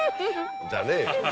じゃねえ。